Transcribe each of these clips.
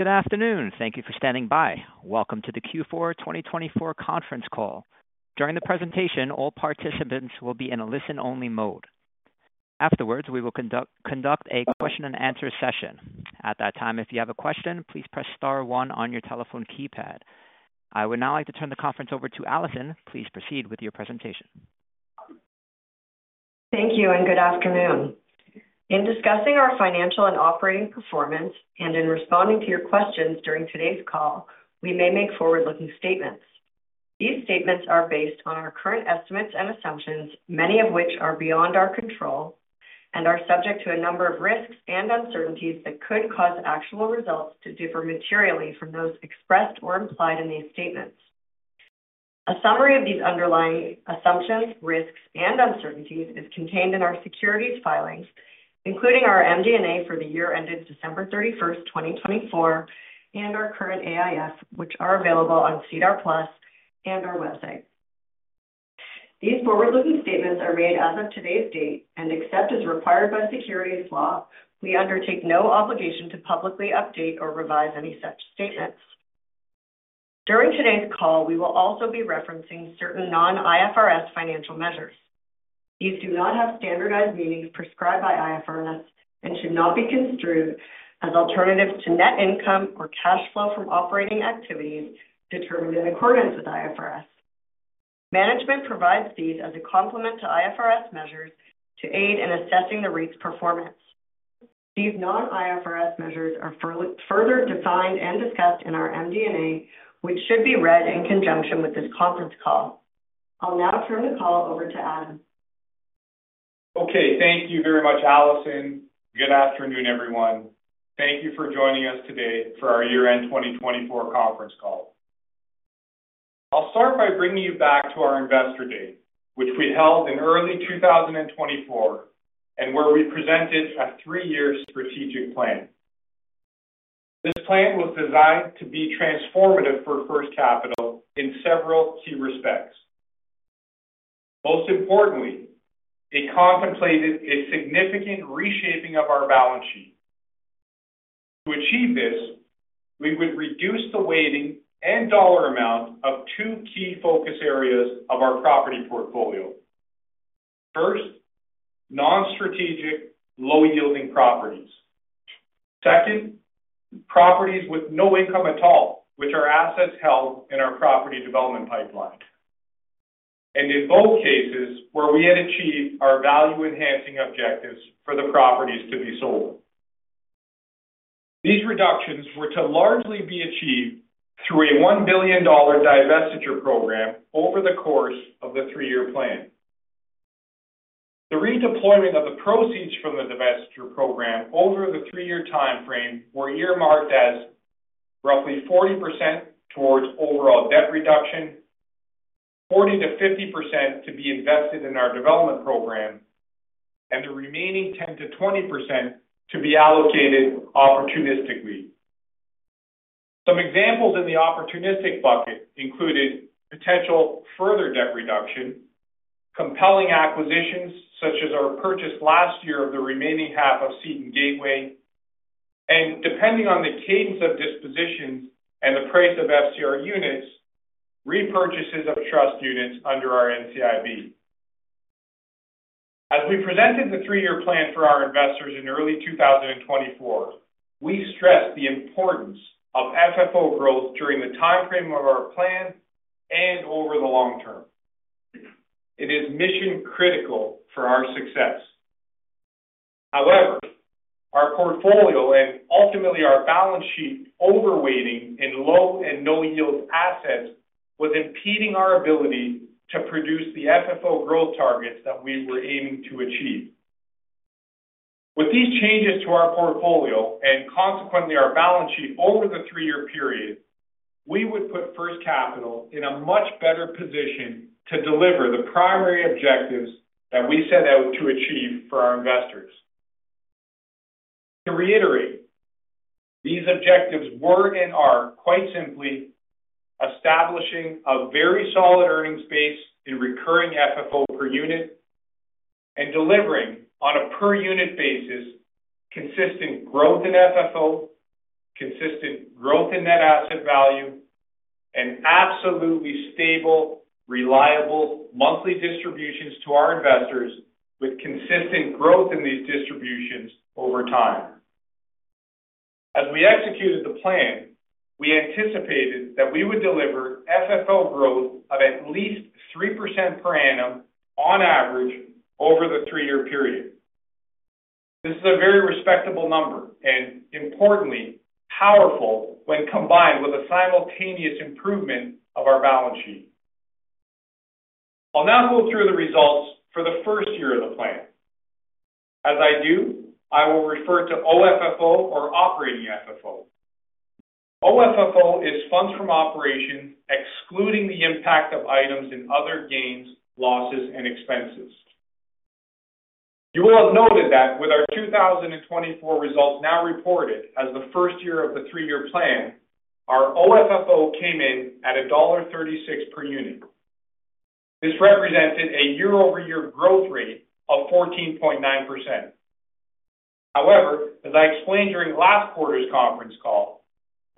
Good afternoon. Thank you for standing by. Welcome to the Q4 2024 conference call. During the presentation, all participants will be in a listen-only mode. Afterwards, we will conduct a question-and-answer session. At that time, if you have a question, please press star one on your telephone keypad. I would now like to turn the conference over to Alison. Please proceed with your presentation. Thank you, and good afternoon. In discussing our financial and operating performance, and in responding to your questions during today's call, we may make forward-looking statements. These statements are based on our current estimates and assumptions, many of which are beyond our control and are subject to a number of risks and uncertainties that could cause actual results to differ materially from those expressed or implied in these statements. A summary of these underlying assumptions, risks, and uncertainties is contained in our securities filings, including our MD&A for the year ended 31st December 2024, and our current AIF, which are available on SEDAR+ and our website. These forward-looking statements are made as of today's date, and except as required by securities law, we undertake no obligation to publicly update or revise any such statements. During today's call, we will also be referencing certain non-IFRS financial measures. These do not have standardized meanings prescribed by IFRS and should not be construed as alternatives to net income or cash flow from operating activities determined in accordance with IFRS. Management provides these as a complement to IFRS measures to aid in assessing the REIT's performance. These non-IFRS measures are further defined and discussed in our MD&A, which should be read in conjunction with this conference call. I'll now turn the call over to Adam. Okay. Thank you very much, Alison. Good afternoon, everyone. Thank you for joining us today for our year-end 2024 conference call. I'll start by bringing you back to our Investor Day, which we held in early 2024, and where we presented a three-year strategic plan. This plan was designed to be transformative for First Capital in several key respects. Most importantly, it contemplated a significant reshaping of our balance sheet. To achieve this, we would reduce the weighting and dollar amount of two key focus areas of our property portfolio. First, non-strategic, low-yielding properties. Second, properties with no income at all, which are assets held in our property development pipeline and in both cases, where we had achieved our value-enhancing objectives for the properties to be sold. These reductions were to largely be achieved through a 1 billion dollar divestiture program over the course of the three-year plan. The redeployment of the proceeds from the divestiture program over the three-year timeframe were earmarked as roughly 40% towards overall debt reduction, 40% to 50% to be invested in our development program, and the remaining 10% to 20% to be allocated opportunistically. Some examples in the opportunistic bucket included potential further debt reduction, compelling acquisitions such as our purchase last year of the remaining half of Seton Gateway, and depending on the cadence of dispositions and the price of FCR units, repurchases of trust units under our NCIB. As we presented the three-year plan for our investors in early 2024, we stressed the importance of FFO growth during the timeframe of our plan and over the long term. It is mission-critical for our success. However, our portfolio and ultimately our balance sheet overweighting in low and no-yield assets was impeding our ability to produce the FFO growth targets that we were aiming to achieve. With these changes to our portfolio and consequently our balance sheet over the three-year period, we would put First Capital in a much better position to deliver the primary objectives that we set out to achieve for our investors. To reiterate, these objectives were and are, quite simply, establishing a very solid earnings base in recurring FFO per unit and delivering on a per-unit basis consistent growth in FFO, consistent growth in net asset value, and absolutely stable, reliable monthly distributions to our investors with consistent growth in these distributions over time. As we executed the plan, we anticipated that we would deliver FFO growth of at least 3% per annum on average over the three-year period. This is a very respectable number and, importantly, powerful when combined with a simultaneous improvement of our balance sheet. I'll now go through the results for the first year of the plan. As I do, I will refer to OFFO or operating FFO. OFFO is funds from operations excluding the impact of items in other gains, losses, and expenses. You will have noted that with our 2024 results now reported as the first year of the three-year plan, our OFFO came in at dollar 1.36 per unit. This represented a year-over-year growth rate of 14.9%. However, as I explained during last quarter's conference call,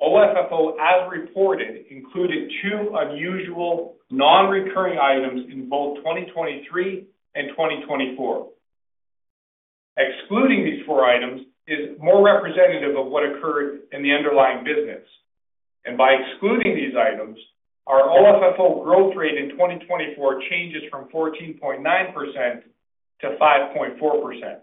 OFFO as reported included two unusual non-recurring items in both 2023 and 2024. Excluding these four items is more representative of what occurred in the underlying business, and by excluding these items, our OFFO growth rate in 2024 changes from 14.9% to 5.4%.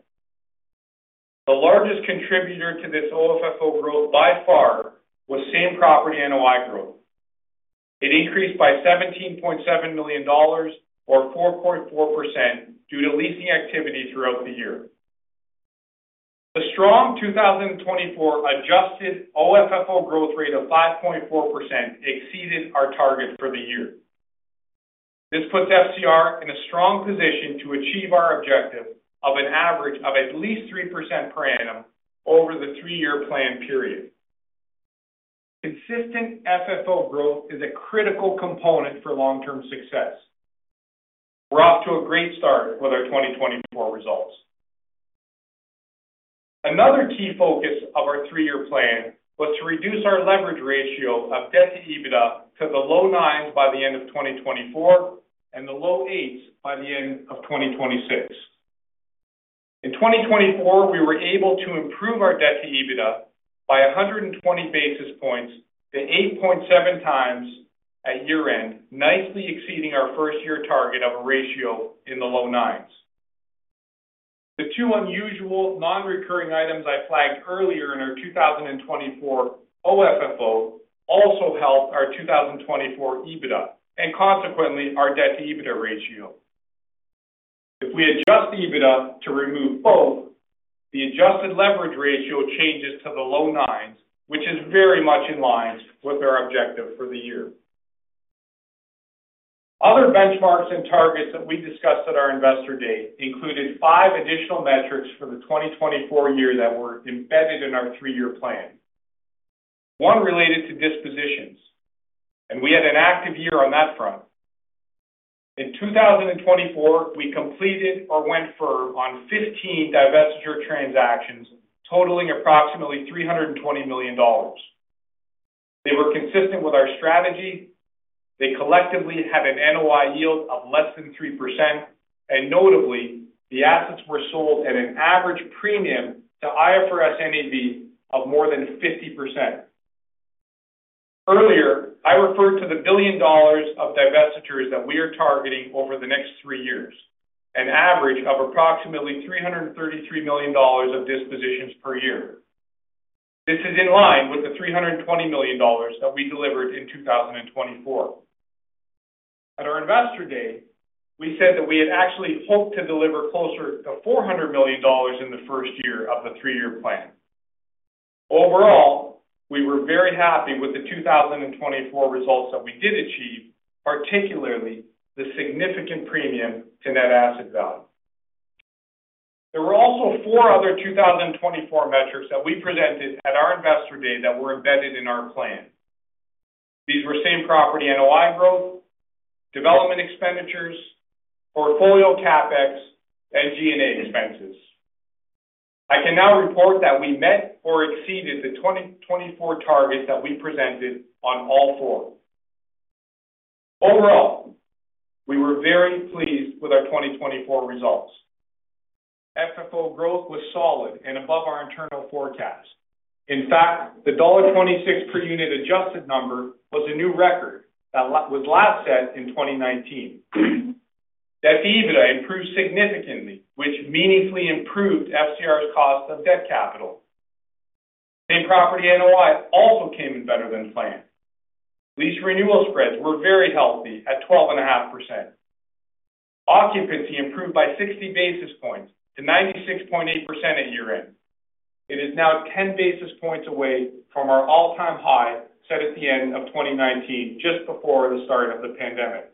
The largest contributor to this OFFO growth by far was same property NOI growth. It increased by 17.7 million dollars or 4.4% due to leasing activity throughout the year. The strong 2024 adjusted OFFO growth rate of 5.4% exceeded our target for the year. This puts FCR in a strong position to achieve our objective of an average of at least 3% per annum over the three-year plan period. Consistent FFO growth is a critical component for long-term success. We're off to a great start with our 2024 results. Another key focus of our three-year plan was to reduce our leverage ratio of debt to EBITDA to the low nines by the end of 2024 and the low eights by the end of 2026. In 2024, we were able to improve our debt to EBITDA by 120 basis points to 8.7 times at year-end, nicely exceeding our first-year target of a ratio in the low nines. The two unusual non-recurring items I flagged earlier in our 2024 OFFO also helped our 2024 EBITDA and consequently our debt to EBITDA ratio. If we adjust the EBITDA to remove both, the adjusted leverage ratio changes to the low nines, which is very much in line with our objective for the year. Other benchmarks and targets that we discussed at our investor day included five additional metrics for the 2024 year that were embedded in our three-year plan. One related to dispositions, and we had an active year on that front. In 2024, we completed or went firm on 15 divestiture transactions totaling approximately 320 million dollars. They were consistent with our strategy. They collectively had an NOI yield of less than 3%, and notably, the assets were sold at an average premium to IFRS NAV of more than 50%. Earlier, I referred to 1 billion dollars of divestitures that we are targeting over the next three years, an average of approximately 333 million dollars of dispositions per year. This is in line with the 320 million dollars that we delivered in 2024. At our investor day, we said that we had actually hoped to deliver closer to 400 million dollars in the first year of the three-year plan. Overall, we were very happy with the 2024 results that we did achieve, particularly the significant premium to net asset value. There were also four other 2024 metrics that we presented at our investor day that were embedded in our plan. These were same property NOI growth, development expenditures, portfolio CapEx, and G&A expenses. I can now report that we met or exceeded the 2024 targets that we presented on all four. Overall, we were very pleased with our 2024 results. FFO growth was solid and above our internal forecast. In fact, the dollar 1.26 per unit adjusted number was a new record that was last set in 2019. Debt to EBITDA improved significantly, which meaningfully improved FCR's cost of debt capital. Same property NOI also came in better than planned. Lease renewal spreads were very healthy at 12.5%. Occupancy improved by 60 basis points to 96.8% at year-end. It is now 10 basis points away from our all-time high set at the end of 2019, just before the start of the pandemic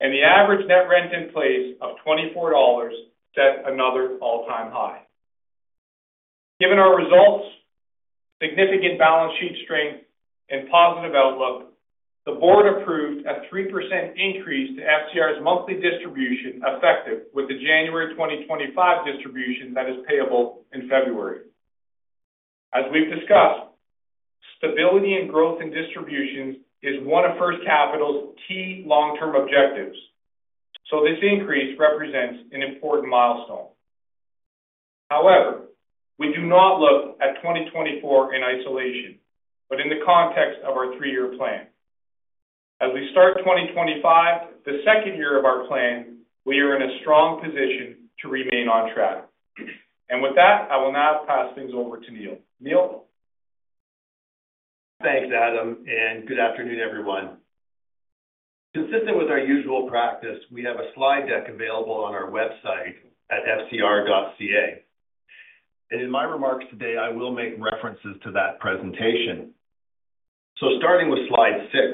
and the average net rent in place of 24 dollars set another all-time high. Given our results, significant balance sheet strength, and positive outlook, the board approved a 3% increase to FCR's monthly distribution effective with the January 2025 distribution that is payable in February. As we've discussed, stability and growth in distributions is one of First Capital's key long-term objectives. This increase represents an important milestone. However, we do not look at 2024 in isolation, but in the context of our three-year plan. As we start 2025, the second year of our plan, we are in a strong position to remain on track. With that, I will now pass things over to Neil. Neil. Thanks, Adam. And good afternoon, everyone. Consistent with our usual practice, we have a slide deck available on our website at fcr.ca and in my remarks today, I will make references to that presentation. So starting with Slide 6,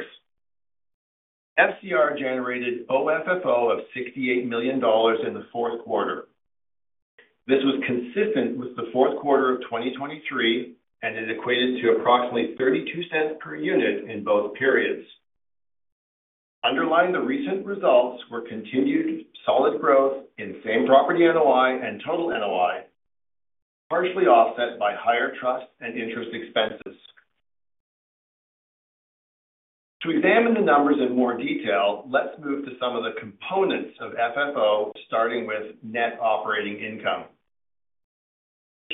FCR generated OFFO of 68 million dollars in Q4. This was consistent with Q4 of 2023, and it equated to approximately 0.32 per unit in both periods. Underlying the recent results were continued solid growth in same property NOI and total NOI, partially offset by higher trust and interest expenses. To examine the numbers in more detail, let's move to some of the components of FFO, starting with net operating income.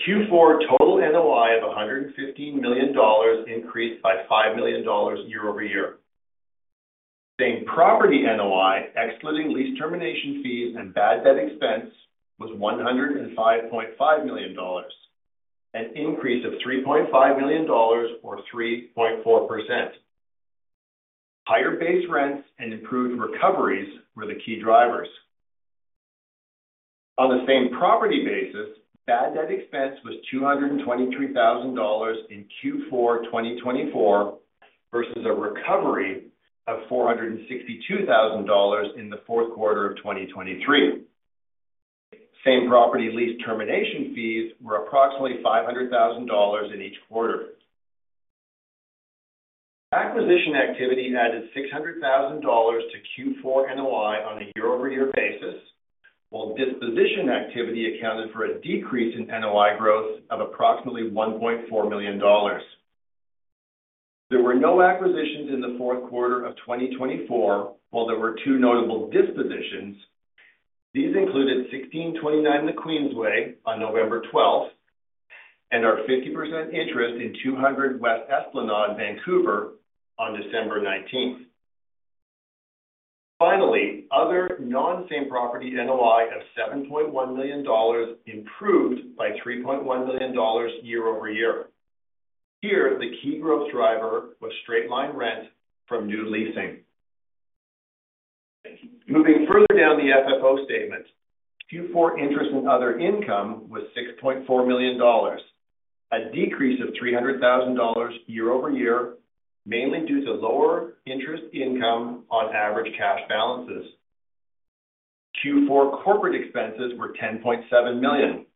Q4 total NOI of 115 million dollars increased by 5 million dollars year-over-year. Same property NOI, excluding lease termination fees and bad debt expense, was 105.5 million dollars, an increase of 3.5 million dollars or 3.4%. Higher base rents and improved recoveries were the key drivers. On the same property basis, bad debt expense was 223,000 dollars in Q4 2024 versus a recovery of 462,000 dollars in Q4 of 2023. Same property lease termination fees were approximately 500,000 dollars in each quarter. Acquisition activity added 600,000 dollars to Q4 NOI on a year-over-year basis, while disposition activity accounted for a decrease in NOI growth of approximately 1.4 million dollars. There were no acquisitions in Q4 of 2024, while there were two notable dispositions. These included 1629 The Queensway on November 12th and our 50% interest in 200 West Esplanade, Vancouver, on 19th December. Finally, other non-same property NOI of 7.1 million dollars improved by 3.1 million dollars year-over-year. Here, the key growth driver was straight-line rent from new leasing. Moving further down the FFO statement, Q4 interest in other income was 6.4 million dollars, a decrease of 300,000 dollars year-over-year, mainly due to lower interest income on average cash balances. Q4 corporate expenses were 10.7 million.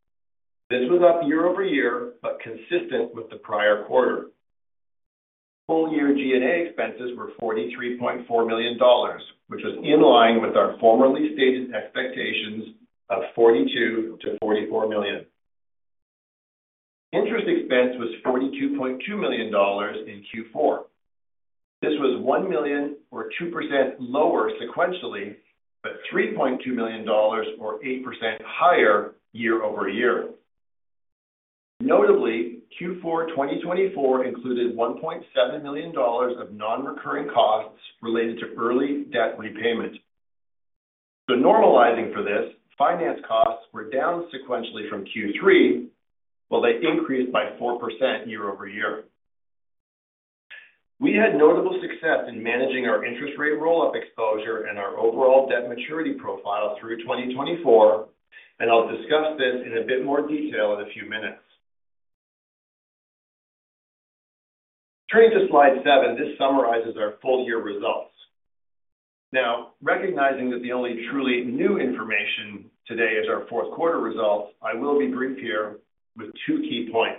This was up year-over-year, but consistent with the prior quarter. Full-year G&A expenses were 43.4 million dollars, which was in line with our formerly stated expectations of 42 to 44 million. Interest expense was 42.2 million dollars in Q4. This was 1 million or 2% lower sequentially, but 3.2 million dollars or 8% higher year-over-year. Notably, Q4 2024 included CAD 1.7 million of non-recurring costs related to early debt repayment. So normalizing for this, finance costs were down sequentially from Q3, while they increased by 4% year-over-year. We had notable success in managing our interest rate roll-up exposure and our overall debt maturity profile through 2024, and I'll discuss this in a bit more detail in a few minutes. Turning to Slide 7, this summarizes our full-year results. Now, recognizing that the only truly new information today is our Q4 results, I will be brief here with two key points.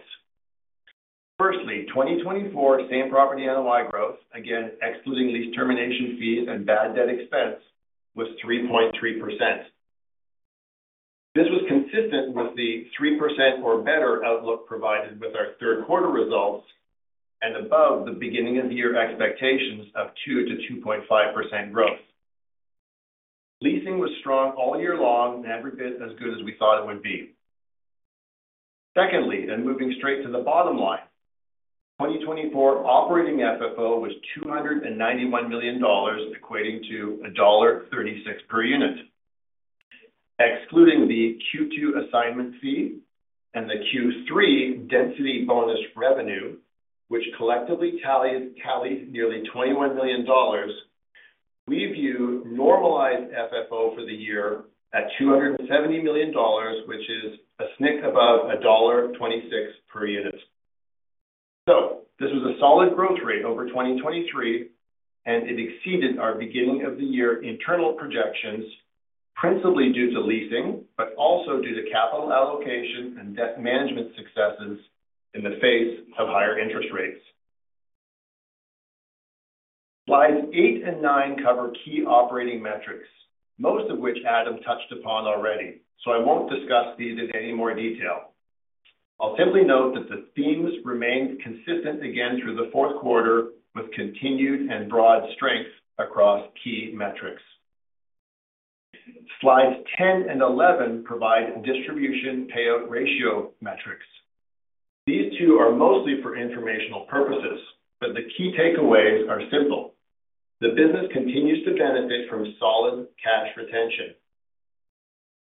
Firstly, 2024 same property NOI growth, again, excluding lease termination fees and bad debt expense, was 3.3%. This was consistent with the 3% or better outlook provided with our Q3 results and above the beginning-of-year expectations of 2% to 2.5% growth. Leasing was strong all year long and every bit as good as we thought it would be. Secondly, and moving straight to the bottom line, 2024 operating FFO was 291 million dollars, equating to dollar 1.36 per unit, excluding the Q2 assignment fee and the Q3 density bonus revenue, which collectively tallied nearly 21 million dollars. We view normalized FFO for the year at 270 million dollars, which is a snick above dollar 1.26 per unit. So this was a solid growth rate over 2023, and it exceeded our beginning-of-the-year internal projections, principally due to leasing, but also due to capital allocation and debt management successes in the face of higher interest rates. Slides 8 and 9 cover key operating metrics, most of which Adam touched upon already, so I won't discuss these in any more detail. I'll simply note that the themes remained consistent again through Q4 with continued and broad strength across key metrics. Slides 10 and 11 provide distribution payout ratio metrics. These two are mostly for informational purposes, but the key takeaways are simple. The business continues to benefit from solid cash retention.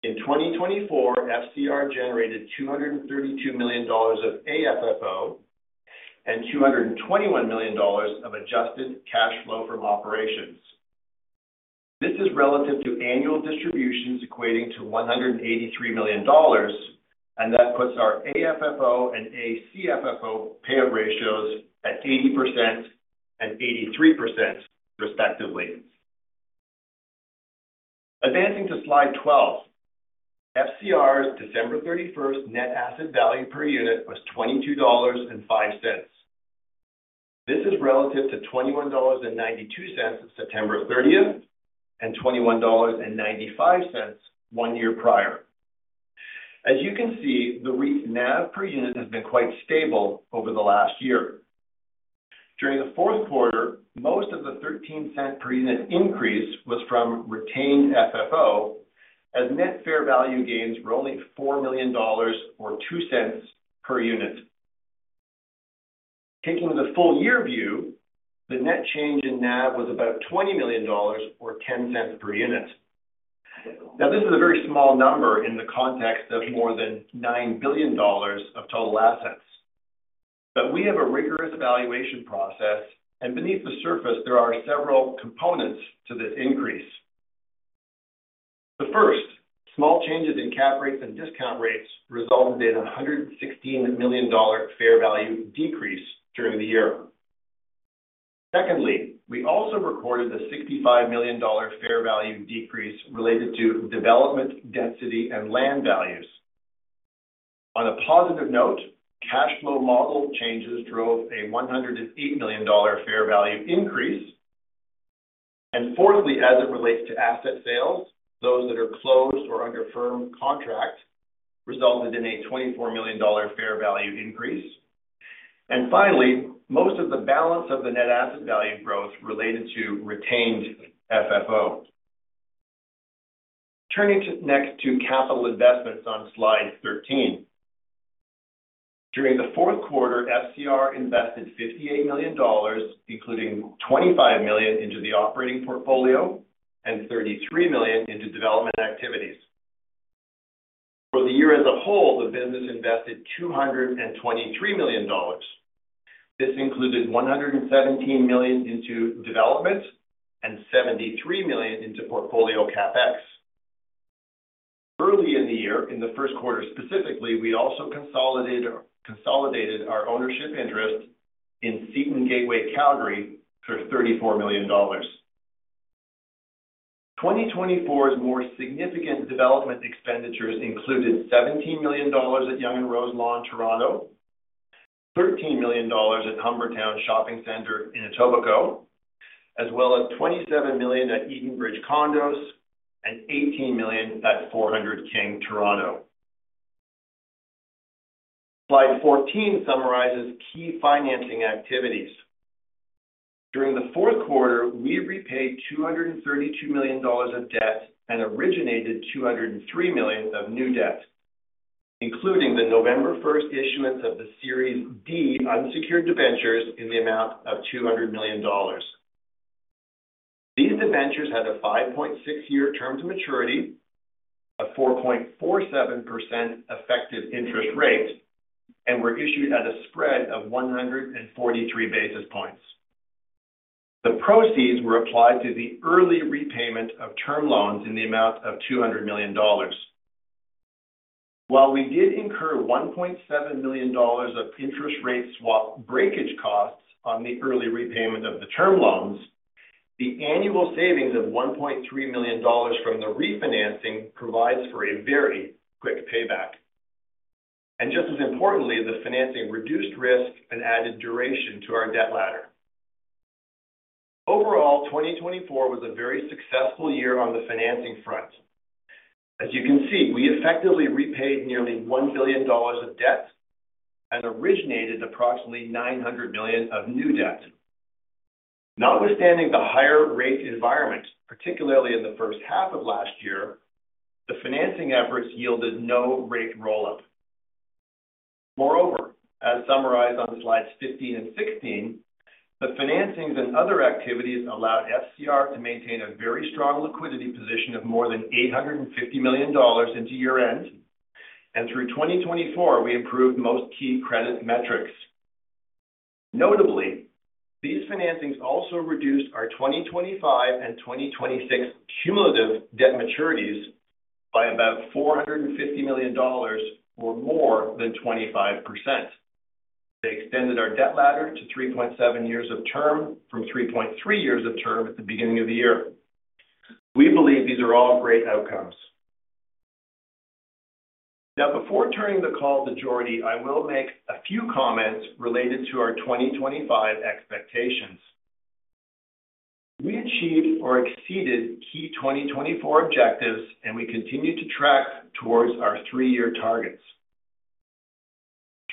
In 2024, FCR generated 232 million dollars of AFFO and 221 million dollars of adjusted cash flow from operations. This is relative to annual distributions equating to 183 million dollars, and that puts our AFFO and ACFFO payout ratios at 80% and 83%, respectively. Advancing to Slide 12, FCR's December 31st net asset value per unit was 22.05 dollars. This is relative to 21.92 dollars of 30th September and 21.95 dollars one year prior. As you can see, the recent NAV per unit has been quite stable over the last year. During Q4, most of the 13 cents per unit increase was from retained FFO, as net fair value gains were only 4 million dollars or 2 cents per unit. Taking the full-year view, the net change in NAV was about 20 million dollars or 0.10 per unit. Now, this is a very small number in the context of more than 9 billion dollars of total assets, but we have a rigorous evaluation process, and beneath the surface, there are several components to this increase. The first, small changes in cap rates and discount rates resulted in a 116 million dollar fair value decrease during the year. Secondly, we also recorded the 65 million dollar fair value decrease related to development density and land values. On a positive note, cash flow model changes drove a 108 million dollar fair value increase and fourthly, as it relates to asset sales, those that are closed or under firm contract resulted in a 24 million dollar fair value increase and finally, most of the balance of the net asset value growth related to retained FFO. Turning next to capital investments on Slide 13. During Q4, FCR invested 58 million dollars, including 25 million into the operating portfolio and 33 million into development activities. For the year as a whole, the business invested 223 million dollars. This included 117 million into development and 73 million into portfolio CapEx. Early in the year, in Q1 specifically, we also consolidated our ownership interest in Seton Gateway, Calgary, for 34 million dollars. 2024's more significant development expenditures included 17 million dollars at Yonge & Roselawn Toronto, 13 million dollars at Humbertown Shopping Centre in Etobicoke, as well as 27 million at Edenbridge Condos and 18 million at 400 King Toronto. Slide 14 summarizes key financing activities. During Q4, we repaid 232 million dollars of debt and originated 203 million of new debt, including the 1st November issuance of the Series D unsecured debentures in the amount of 200 million dollars. These debentures had a 5.6-year term to maturity, a 4.47% effective interest rate, and were issued at a spread of 143 basis points. The proceeds were applied to the early repayment of term loans in the amount of 200 million dollars. While we did incur 1.7 million dollars of interest rate swap breakage costs on the early repayment of the term loans, the annual savings of 1.3 million dollars from the refinancing provides for a very quick payback. Just as importantly, the financing reduced risk and added duration to our debt ladder. Overall, 2024 was a very successful year on the financing front. As you can see, we effectively repaid nearly 1 billion dollars of debt and originated approximately 900 million of new debt. Notwithstanding the higher rate environment, particularly in the first half of last year, the financing efforts yielded no rate roll-up. Moreover, as summarized on slides 15 and 16, the financings and other activities allowed FCR to maintain a very strong liquidity position of more than 850 million dollars into year-end, and through 2024, we improved most key credit metrics. Notably, these financings also reduced our 2025 and 2026 cumulative debt maturities by about 450 million dollars or more than 25%. They extended our debt ladder to 3.7 years of term from 3.3 years of term at the beginning of the year. We believe these are all great outcomes. Now, before turning the call to Jordie, I will make a few comments related to our 2025 expectations. We achieved or exceeded key 2024 objectives, and we continue to track towards our three-year targets.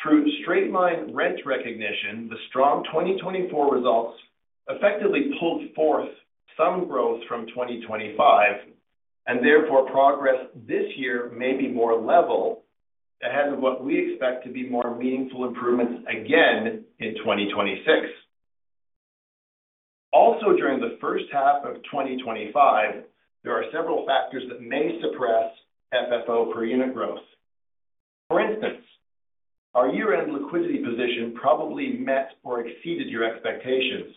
Through straight-line rent recognition, the strong 2024 results effectively pulled forth some growth from 2025, and therefore, progress this year may be more level ahead of what we expect to be more meaningful improvements again in 2026. Also, during the first half of 2025, there are several factors that may suppress FFO per unit growth. For instance, our year-end liquidity position probably met or exceeded your expectations.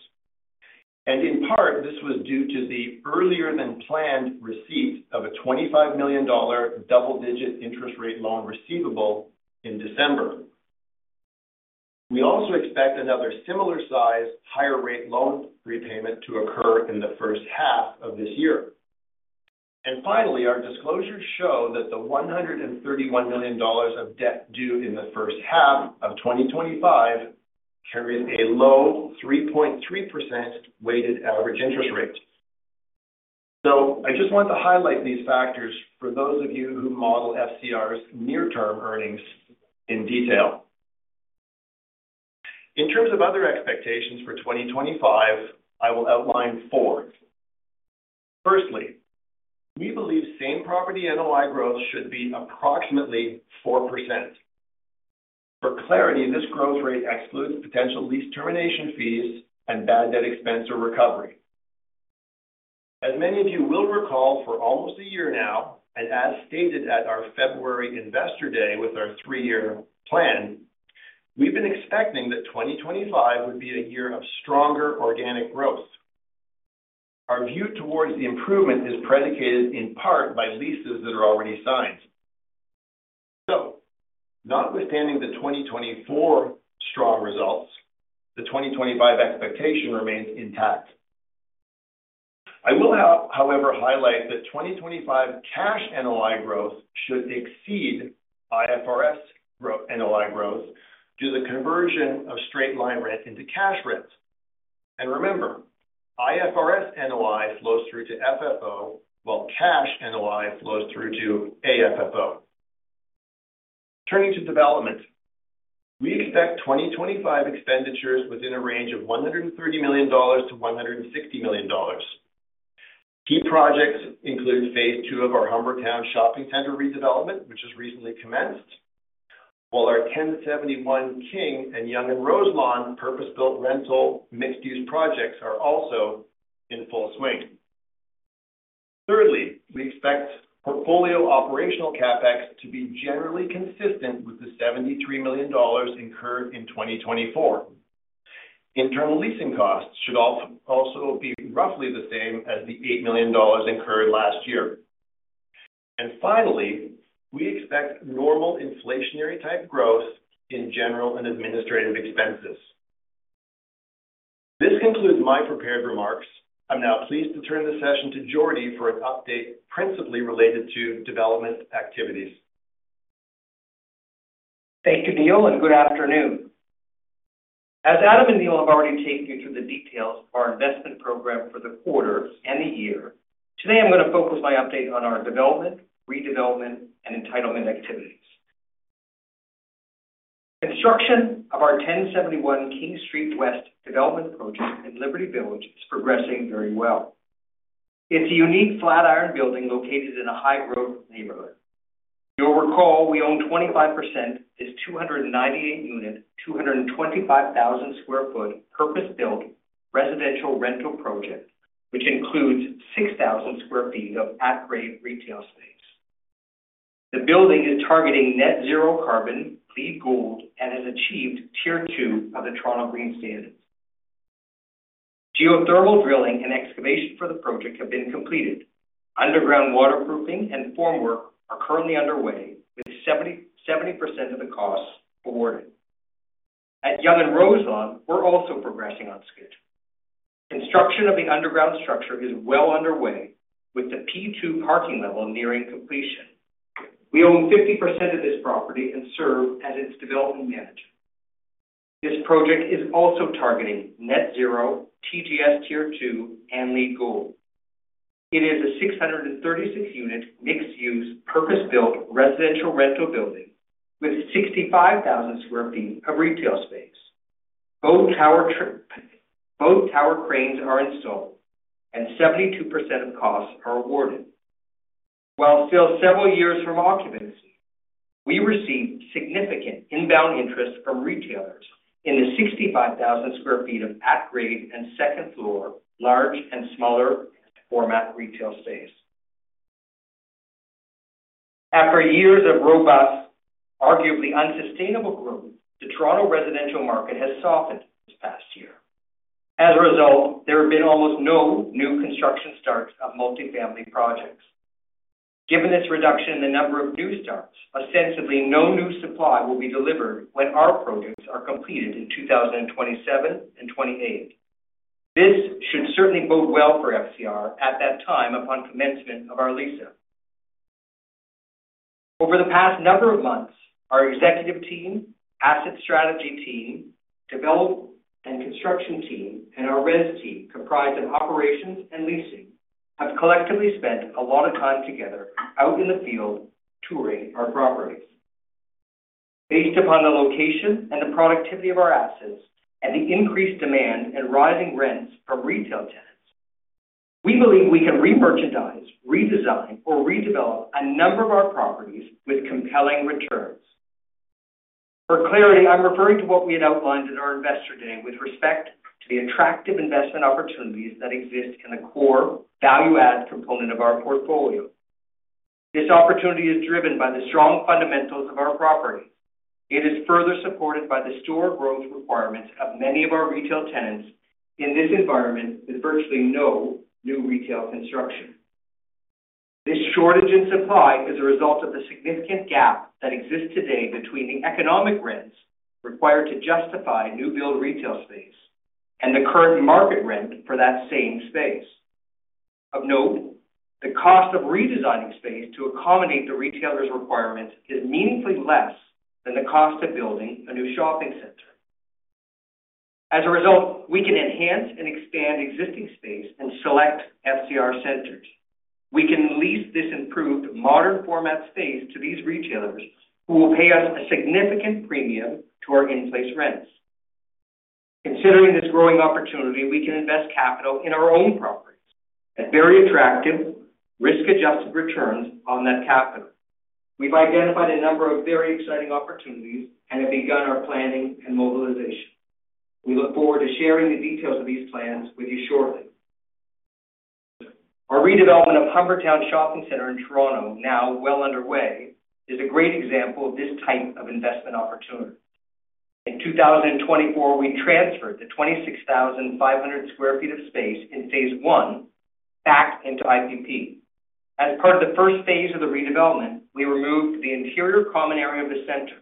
In part, this was due to the earlier-than-planned receipt of a 25 million dollar double-digit interest rate loan receivable in December. We also expect another similar-sized, higher-rate loan repayment to occur in the first half of this year. And finally, our disclosures show that the 131 million dollars of debt due in the first half of 2025 carried a low 3.3% weighted average interest rate. So I just want to highlight these factors for those of you who model FCR's near-term earnings in detail. In terms of other expectations for 2025, I will outline four. Firstly, we believe same property NOI growth should be approximately 4%. For clarity, this growth rate excludes potential lease termination fees and bad debt expense or recovery. As many of you will recall, for almost a year now, and as stated at our February Investor Day with our three-year plan, we've been expecting that 2025 would be a year of stronger organic growth. Our view towards the improvement is predicated in part by leases that are already signed. So, notwithstanding the 2024 strong results, the 2025 expectation remains intact. I will, however, highlight that 2025 cash NOI growth should exceed IFRS NOI growth due to the conversion of straight-line rent into cash rent. Remember, IFRS NOI flows through to FFO, while cash NOI flows through to AFFO. Turning to development, we expect 2025 expenditures within a range of 130 to 160 million. Key projects include phase two of our Humbertown Shopping Centre redevelopment, which has recently commenced, while our 1071 King and Yonge & Roselawn purpose-built rental mixed-use projects are also in full swing. Thirdly, we expect portfolio operational CapEx to be generally consistent with the 73 million dollars incurred in 2024. Internal leasing costs should also be roughly the same as the 8 million dollars incurred last year. And finally, we expect normal inflationary-type growth in general and administrative expenses. This concludes my prepared remarks. I'm now pleased to turn the session to Jordie for an update principally related to development activities. Thank you, Neil, and good afternoon. As Adam and Neil have already taken you through the details of our investment program for the quarter and the year, today I'm going to focus my update on our development, redevelopment, and entitlement activities. Construction of our 1071 King Street West development in Liberty Village is progressing very well. It's a unique Flatiron building located in a high-road neighborhood. You'll recall we own 25% of this 298-unit 225,000 sq ft purpose-built residential rental project, which includes 6,000 sq ft of at-grade retail space. The building is targeting net-zero carbon, LEED Gold, and has achieved Tier 2 of the Toronto Green Standard. Geothermal drilling and excavation for the project have been completed. Underground waterproofing and formwork are currently underway, with 70% of the costs awarded. At Yonge & Roselawn, we're also progressing on schedule. Construction of the underground structure is well underway, with the P2 parking level nearing completion. We own 50% of this property and serve as its development manager. This project is also targeting net-zero, TGS Tier 2, and LEED Gold. It is a 636-unit mixed-use purpose-built residential rental building with 65,000 sq ft of retail space. Both tower cranes are installed, and 72% of costs are awarded. While still several years from occupancy, we receive significant inbound interest from retailers in the 65,000 sq ft of at-grade and second-floor large and smaller format retail space. After years of robust, arguably unsustainable growth, the Toronto residential market has softened this past year. As a result, there have been almost no new construction starts of multifamily projects. Given this reduction in the number of new starts, ostensibly no new supply will be delivered when our projects are completed in 2027 and 2028. This should certainly bode well for FCR at that time upon commencement of our lease. Over the past number of months, our executive team, asset strategy team, development and construction team, and our RES team, comprised of operations and leasing, have collectively spent a lot of time together out in the field touring our properties. Based upon the location and the productivity of our assets and the increased demand and rising rents from retail tenants, we believe we can re-merchandise, redesign, or redevelop a number of our properties with compelling returns. For clarity, I'm referring to what we had outlined in our investor day with respect to the attractive investment opportunities that exist in the core value-add component of our portfolio. This opportunity is driven by the strong fundamentals of our properties. It is further supported by the store growth requirements of many of our retail tenants in this environment with virtually no new retail construction. This shortage in supply is a result of the significant gap that exists today between the economic rents required to justify new-build retail space and the current market rent for that same space. Of note, the cost of redesigning space to accommodate the retailer's requirements is meaningfully less than the cost of building a new shopping center. As a result, we can enhance and expand existing space and select FCR centers. We can lease this improved modern format space to these retailers who will pay us a significant premium to our in-place rents. Considering this growing opportunity, we can invest capital in our own properties at very attractive, risk-adjusted returns on that capital. We've identified a number of very exciting opportunities and have begun our planning and mobilization. We look forward to sharing the details of these plans with you shortly. Our redevelopment of Humbertown Shopping Centre in Toronto, now well underway, is a great example of this type of investment opportunity. In 2024, we transferred the 26,500 sq ft of space in phase one back into IPP. As part of the first phase of the redevelopment, we removed the interior common area of the center.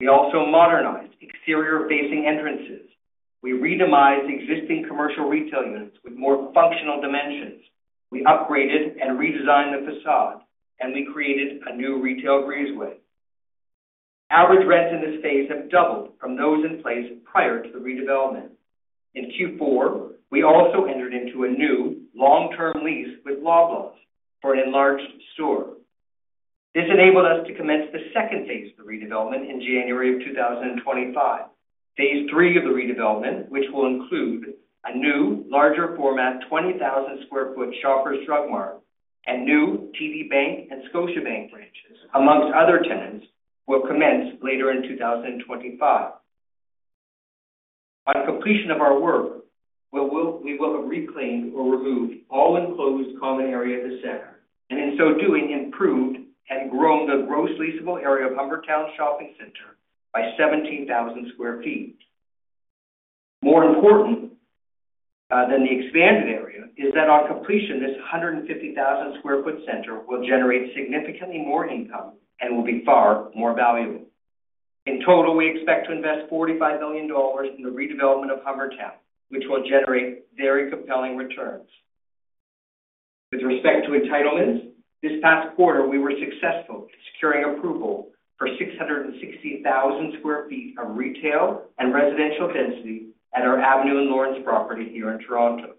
We also modernized exterior-facing entrances. We redefined existing commercial retail units with more functional dimensions. We upgraded and redesigned the facade, and we created a new retail breezeway. Average rents in this phase have doubled from those in place prior to the redevelopment. In Q4, we also entered into a new long-term lease with Loblaws for an enlarged store. This enabled us to commence the second phase of the redevelopment in January of 2025. Phase three of the redevelopment, which will include a new larger format 20,000 sq ft Shoppers Drug Mart and new TD Bank and Scotiabank branches, among other tenants, will commence later in 2025. On completion of our work, we will have reclaimed or removed all enclosed common area at the center, and in so doing, improved and grown the gross leasable area of Humbertown Shopping Centre by 17,000 sq ft. More important than the expanded area is that on completion, this 150,000 sq ft center will generate significantly more income and will be far more valuable. In total, we expect to invest 45 million dollars in the redevelopment of Humbertown, which will generate very compelling returns. With respect to entitlements, this past quarter, we were successful in securing approval for 660,000 sq ft of retail and residential density at our Avenue and Lawrence property here in Toronto.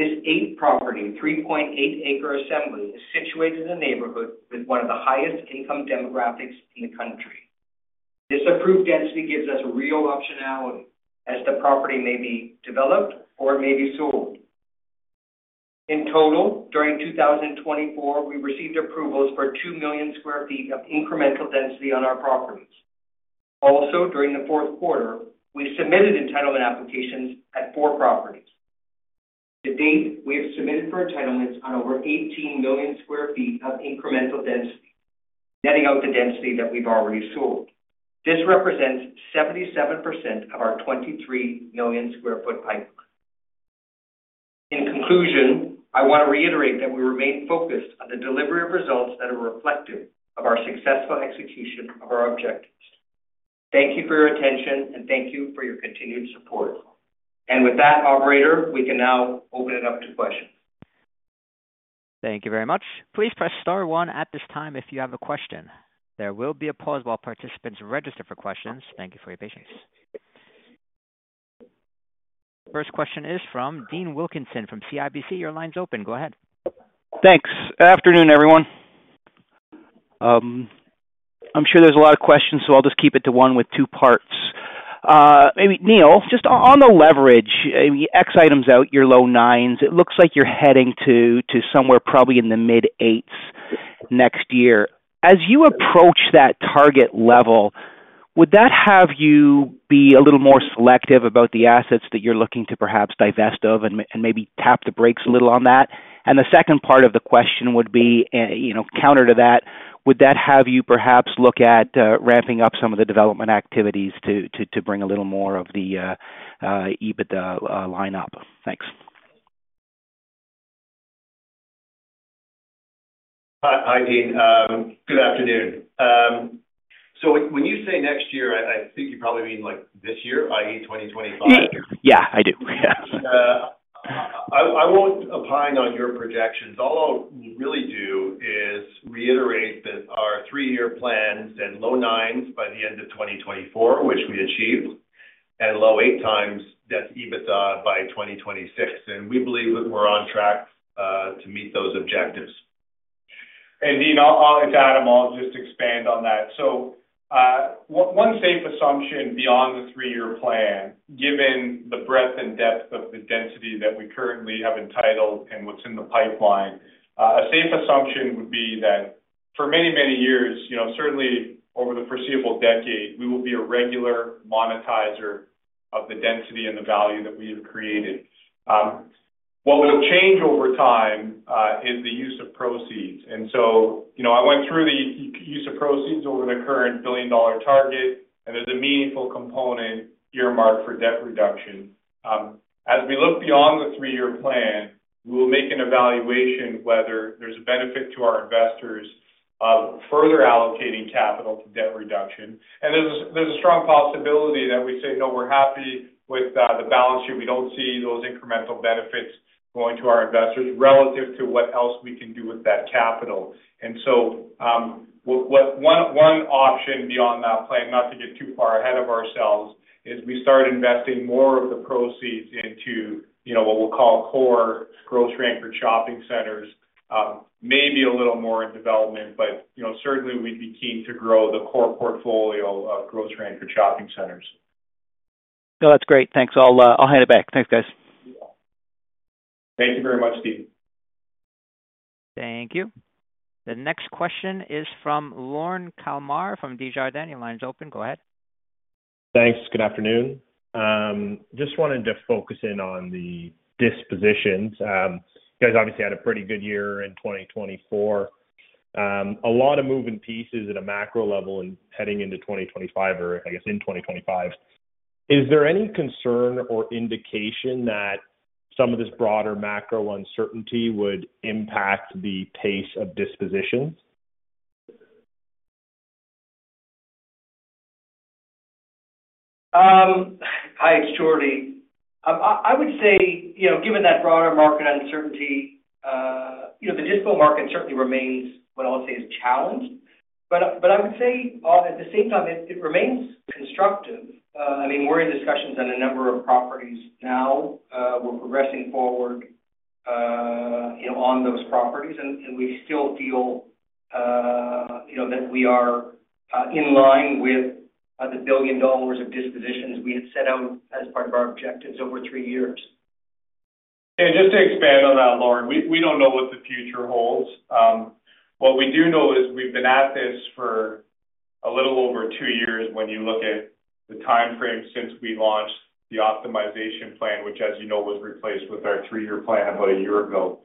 This eight-property, 3.8 acre assembly is situated in a neighborhood with one of the highest income demographics in the country. This approved density gives us real optionality, as the property may be developed or may be sold. In total, during 2024, we received approvals for 2 million sq ft of incremental density on our properties. Also, during Q4, we submitted entitlement applications at four properties. To date, we have submitted for entitlements on over 18 million sq ft of incremental density, netting out the density that we've already sold. This represents 77% of our 23 million sq ft pipeline. In conclusion, I want to reiterate that we remain focused on the delivery of results that are reflective of our successful execution of our objectives. Thank you for your attention, and thank you for your continued support. With that, Operator, we can now open it up to questions. Thank you very much. Please press star one at this time if you have a question. There will be a pause while participants register for questions. Thank you for your patience. First question is from Dean Wilkinson from CIBC. Your line's open. Go ahead. Thanks. Afternoon, everyone. I'm sure there's a lot of questions, so I'll just keep it to one with two parts. Neil, just on the leverage, exiting out your low-nines. It looks like you're heading to somewhere probably in the mid-eights next year. As you approach that target level, would that have you be a little more selective about the assets that you're looking to perhaps divest of and maybe tap the brakes a little on that? The second part of the question would be counter to that. Would that have you perhaps look at ramping up some of the development activities to bring a little more of the EBITDA in line? Thanks. Hi, Dean. Good afternoon. So when you say next year, I think you probably mean this year, i.e., 2025. Yeah, I do. I won't opine on your projections. All I'll really do is reiterate that our three-year plan is in low nines by the end of 2024, which we achieved, and low-eight times the EBITDA by 2026 and we believe that we're on track to meet those objectives. Dean, it's Adam, I'll just expand on that. So one safe assumption beyond the three-year plan, given the breadth and depth of the density that we currently have entitled and what's in the pipeline, a safe assumption would be that for many, many years, certainly over the foreseeable decade, we will be a regular monetizer of the density and the value that we have created. What will change over time is the use of proceeds. I went through the use of proceeds over the current billion-dollar target, and there's a meaningful component earmarked for debt reduction. As we look beyond the three-year plan, we will make an evaluation whether there's a benefit to our investors of further allocating capital to debt reduction. And there's a strong possibility that we say, "No, we're happy with the balance sheet. We don't see those incremental benefits going to our investors relative to what else we can do with that capital. And so one option beyond that plan, not to get too far ahead of ourselves, is we start investing more of the proceeds into what we'll call core grocery-anchored shopping centers, maybe a little more in development, but certainly we'd be keen to grow the core portfolio of grocery-anchored shopping centers. No, that's great. Thanks. I'll hand it back. Thanks, guys. Thank you very much, Dean. Thank you. The next question is from Lorne Kalmar from Desjardins. Your line's open. Go ahead. Thanks. Good afternoon. Just wanted to focus in on the dispositions. You guys obviously had a pretty good year in 2024. A lot of moving pieces at a macro level and heading into 2025 or, I guess, in 2025. Is there any concern or indication that some of this broader macro uncertainty would impact the pace of dispositions? Hi, it's Jordie. I would say, given that broader market uncertainty, the dispo market certainly remains what I'll say is challenged but I would say, at the same time, it remains constructive. I mean, we're in discussions on a number of properties now. We're progressing forward on those properties, and we still feel that we are in line with 1 billion dollars of dispositions we had set out as part of our objectives over three years. Just to expand on that, Lorne, we don't know what the future holds. What we do know is we've been at this for a little over two years when you look at the timeframe since we launched the optimization plan, which, as you know, was replaced with our three-year plan about a year ago.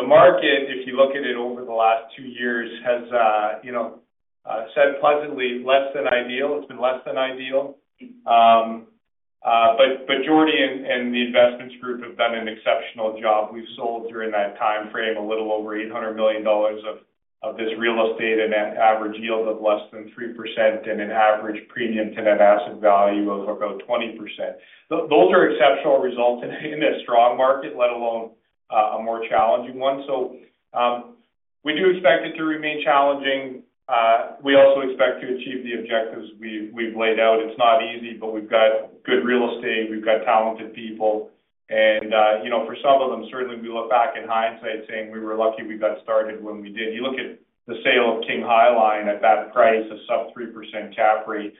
The market, if you look at it over the last two years, has said pleasantly less than ideal. It's been less than ideal, but Jordie and the investments group have done an exceptional job. We've sold during that timeframe a little over 800 million dollars of this real estate and an average yield of less than 3% and an average premium to net asset value of about 20%. Those are exceptional results in a strong market, let alone a more challenging one. So we do expect it to remain challenging. We also expect to achieve the objectives we've laid out. It's not easy, but we've got good real estate. We've got talented people. For some of them, certainly we look back in hindsight saying we were lucky we got started when we did. You look at the sale of King High Line at that price of sub 3% cap rate.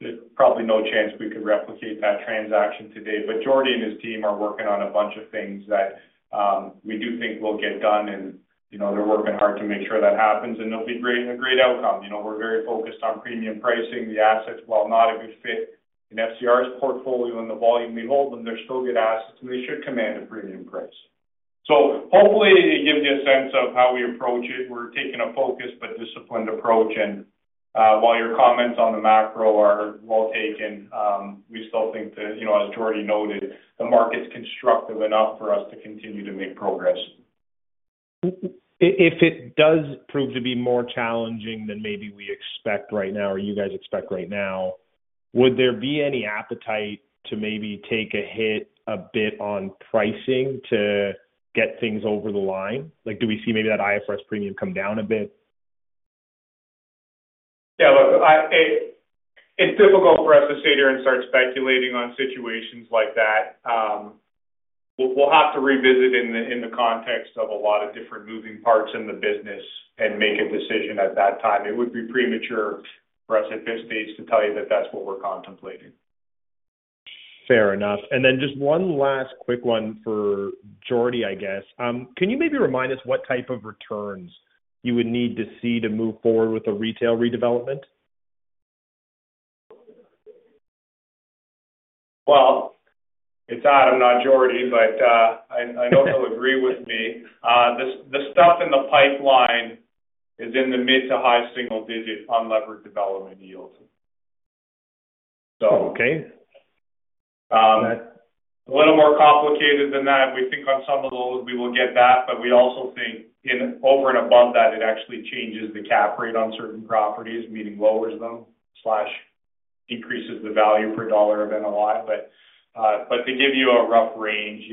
There's probably no chance we could replicate that transaction today but Jordie and his team are working on a bunch of things that we do think will get done, and they're working hard to make sure that happens, and there'll be a great outcome. We're very focused on premium pricing the assets, while not a good fit in FCR's portfolio and the volume we hold them, they're still good assets, and they should command a premium price. So hopefully, it gives you a sense of how we approach it. We're taking a focused but disciplined approach. While your comments on the macro are well-taken, we still think that, as Jordie noted, the market's constructive enough for us to continue to make progress. If it does prove to be more challenging than maybe we expect right now, or you guys expect right now, would there be any appetite to maybe take a hit a bit on pricing to get things over the line? Do we see maybe that IFRS premium come down a bit? Yeah. Look, it's difficult for us to sit here and start speculating on situations like that. We'll have to revisit in the context of a lot of different moving parts in the business and make a decision at that time. It would be premature for us at this stage to tell you that that's what we're contemplating. Fair enough. Then just one last quick one for Jordie, I guess. Can you maybe remind us what type of returns you would need to see to move forward with the retail redevelopment? Well, it's Adam, not Jordie, but I know he'll agree with me. The stuff in the pipeline is in the mid to high single digit on leverage development yields. So a little more complicated than that. We think on some of those, we will get that but we also think over and above that, it actually changes the cap rate on certain properties, meaning lowers them slash increases the value per dollar of NOI. But to give you a rough range,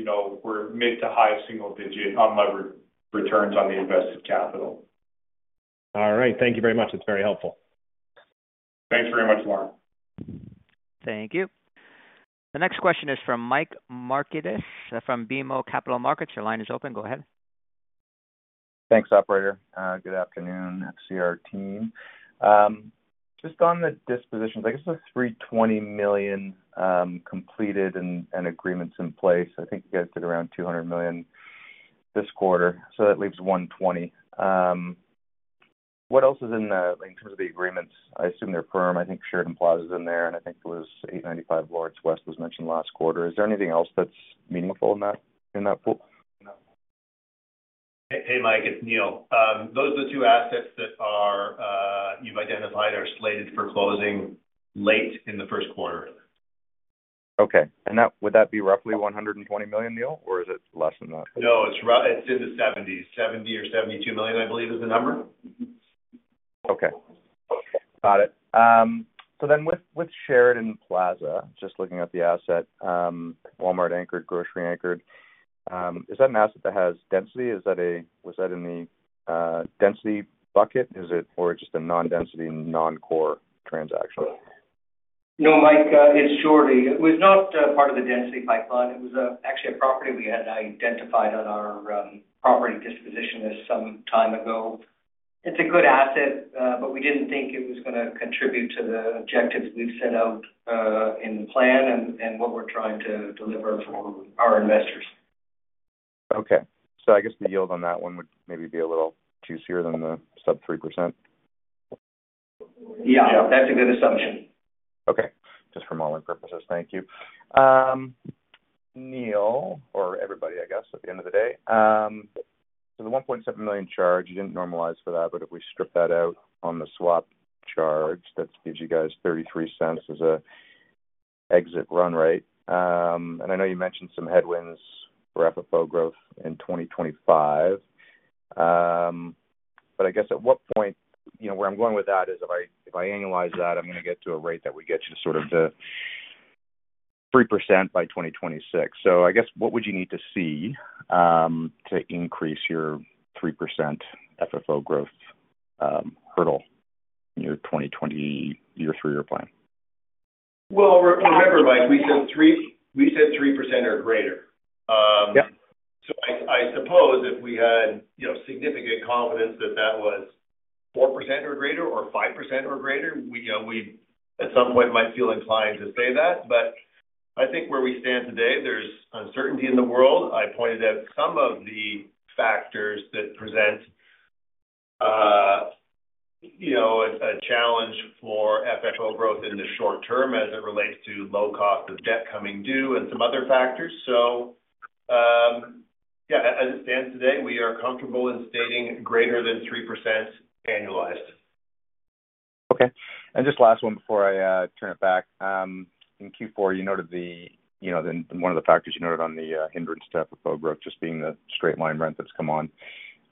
we're mid to high single digit on leverage returns on the invested capital. All right. Thank you very much. It's very helpful. Thanks very much, Lorne. Thank you. The next question is from Mike Markidis from BMO Capital Markets. Your line is open. Go ahead. Thanks, Operator. Good afternoon, FCR team. Just on the dispositions, I guess the 320 million completed and agreements in place.I think you guys did around 200 million this quarter. So that leaves 120 million. What else is in terms of the agreements? I assume they're firm. I think Sheridan Plaza is in there, and I think it was 895 Lawrence Avenue West was mentioned last quarter. Is there anything else that's meaningful in that pool? Hey, Mike. It's Neil. Those are the two assets that you've identified are slated for closing late in Q1. Okay. Would that be roughly 120 million, Neil, or is it less than that? No, it's in the 70s. 70 million or 72 million, I believe, is the number. Okay. Got it. So then with Sheridan Plaza, just looking at the asset, Walmart-anchored, grocery-anchored, is that an asset that has density? Was that in the density bucket, or is it just a non-density, non-core transaction? No, Mike. It's Jordie. It was not part of the density pipeline. It was actually a property we had identified on our property disposition some time ago. It's a good asset, but we didn't think it was going to contribute to the objectives we've set out in the plan and what we're trying to deliver for our investors. Okay. So I guess the yield on that one would maybe be a little juicier than the sub 3%? Yeah. That's a good assumption. Okay. Just for modeling purposes. Thank you. Neil, or everybody, I guess, at the end of the day. So the 1.7 million charge, you didn't normalize for that, but if we strip that out on the swap charge, that gives you guys 0.33 as an exit run rate. I know you mentioned some headwinds for FFO growth in 2025 but I guess at what point, where I'm going with that is if I analyze that, I'm going to get to a rate that would get you sort of to 3% by 2026. So I guess what would you need to see to increase your 3% FFO growth hurdle in your three-year plan? Well, remember, Mike, we said 3% or greater. So I suppose if we had significant confidence that that was 4% or greater or 5% or greater, we at some point might feel inclined to say that but I think where we stand today, there's uncertainty in the world. I pointed out some of the factors that present a challenge for FFO growth in the short term as it relates to low cost of debt coming due and some other factors. So yeah, as it stands today, we are comfortable in stating greater than 3% annualized. Okay. Just last one before I turn it back. In Q4, you noted one of the factors you noted on the hindrance to FFO growth just being the straight-line rent that's come on